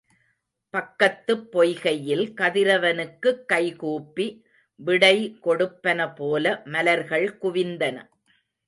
பக்கத்துப் பொய்கையில் கதிரவனுக்குக் கைகூப்பி விடை கொடுப்பன போல மலர்கள் குவிந்தன.